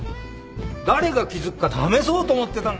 誰が気付くか試そうと思ってた。